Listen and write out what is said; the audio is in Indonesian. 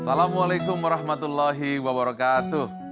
assalamualaikum warahmatullahi wabarakatuh